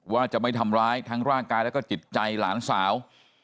ว่าจะไม่ทำร้ายทั้งร่างกายแล้วก็จิตใจหลานสาว